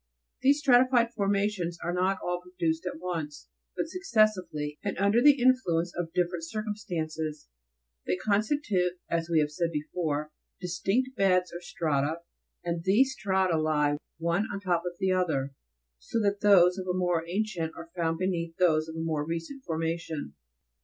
28. These stratified formations were not all produced at once, but successively, and under the influence of different circumstances ; they constitute, as we have before said, distinct beds or strata, and these strata lie one on top of the other, so that those of a more ancient are found beneath those of a more recent formation.